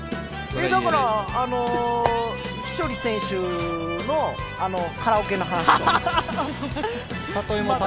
だから稀哲選手のカラオケの話と。